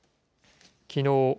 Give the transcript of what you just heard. きのう